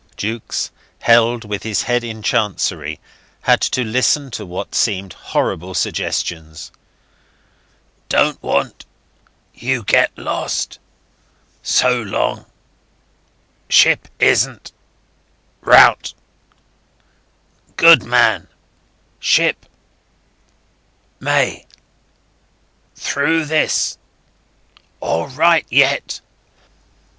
Jukes, held with his head in chancery, had to listen to what seemed horrible suggestions. "Don't want ... you get lost ... so long ... ship isn't. .... Rout ... Good man ... Ship ... may ... through this ... all right yet."